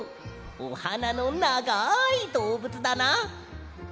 おはなのながいどうぶつだな。